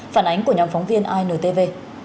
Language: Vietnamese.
phản ánh của nhóm phóng viên intv